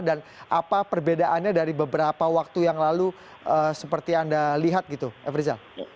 dan apa perbedaannya dari beberapa waktu yang lalu seperti anda lihat gitu efri zal